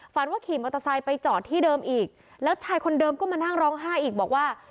ว่าขี่มอเตอร์ไซค์ไปจอดที่เดิมอีกแล้วชายคนเดิมก็มานั่งร้องไห้อีกบอกว่า